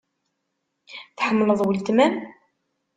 Tḥemmleḍ weltma-m?